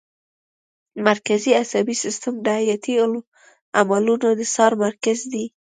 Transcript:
مرکزي عصبي سیستم د حیاتي عملونو د څار مرکز دی